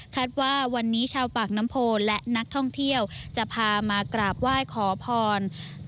ว่าวันนี้ชาวปากน้ำโพและนักท่องเที่ยวจะพามากราบไหว้ขอพร